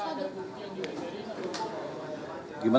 apakah ada bukti yang diberikan